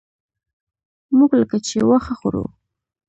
موږ لکه چې واښه خورو.